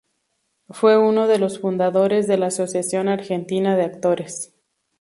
Fue uno de los fundadores de la Asociación Argentina de Actores.